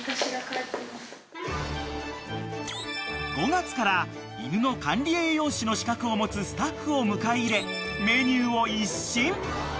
［５月から犬の管理栄養士の資格を持つスタッフを迎え入れメニューを一新］